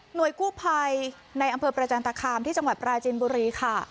กู้ภัยในอำเภอประจันตคามที่จังหวัดปราจินบุรีค่ะ